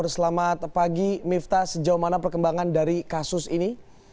selamat pagi mifta sejauh mana perkembangan dari kasus ini